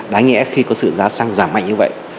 đáng lẽ khi có sự giá xăng giảm mạnh như vậy